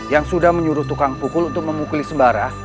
yang sudah menyuruh tukang pukul untuk memukul sembara